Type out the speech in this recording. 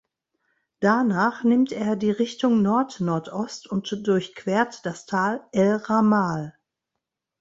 Danach nimmt er die Richtung Nordnordost und durchquert das Tal „El Ramal“.